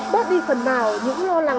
bóp đi phần nào những lo lắng